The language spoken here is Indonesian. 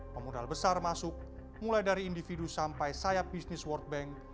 pemodal besar masuk mulai dari individu sampai sayap bisnis world bank